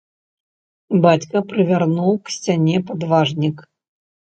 Бацька прывярнуў к сцяне падважнік.